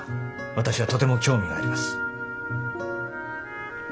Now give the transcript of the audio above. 私はとても興味があります。